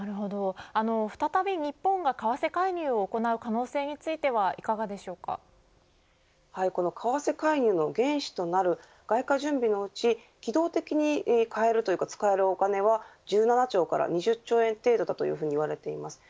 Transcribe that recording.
再び日本が為替介入を行う可能性についてはこの為替介入の原資となる外貨準備のうち、機動的に使えるお金は１７兆から２０兆円程度だというふうに言われています。